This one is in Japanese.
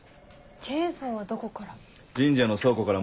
チェーンソーはどこから？